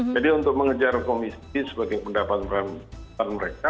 jadi untuk mengejar komisi sebagai pendapatan mereka